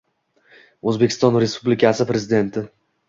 O`zbekiston Respublikasi Prezidenti I